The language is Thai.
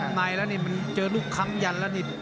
ในแล้วนี่มันเจอลูกค้ำยันแล้วนี่